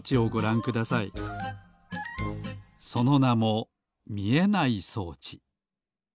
そのなもみえない装置。